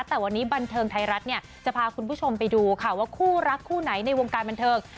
แต่วันนี้บันเทิงไทยรัฐเนี่ยจะพาคุณผู้ชมไปดูค่ะว่าคู่รักคู่ไหนในวงการบันเทิง